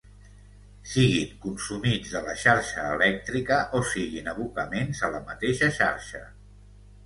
siguin consumits de la xarxa elèctrica o siguin abocaments a la mateixa xarxa